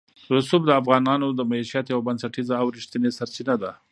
رسوب د افغانانو د معیشت یوه بنسټیزه او رښتینې سرچینه ده.